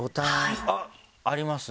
あっありますね